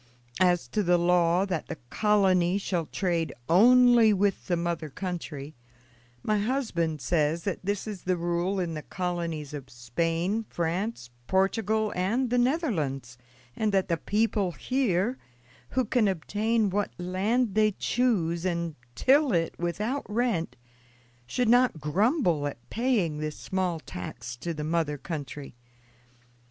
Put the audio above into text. As to the law that the colony shall trade only with the mother country, my husband says that this is the rule in the colonies of Spain, France, Portugal, and the Netherlands, and that the people here, who can obtain what land they choose and till it without rent, should not grumble at paying this small tax to the mother country.